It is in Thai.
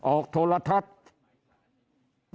ออกโทรธัษย์